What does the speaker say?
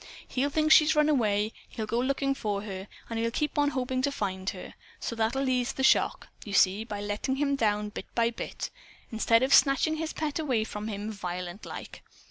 He'll think she's run away. He'll go looking for her, and he'll keep on hoping to find her. So that'll ease the shock, you see, by letting him down bit by bit, instead of snatching his pet away from him violent like.